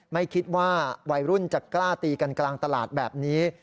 ไม่คิดว่าวัยรุ่นจะกล้าตีกันกลางตลาดแบบนี้